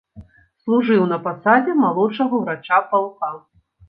Служыў на пасадзе малодшага ўрача палка.